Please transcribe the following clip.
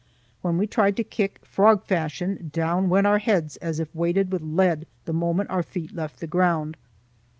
When we tried to kick frog fashion, down went our heads as if weighted with lead the moment our feet left the ground.